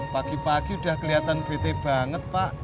pagi pagi udah kelihatan bete banget pak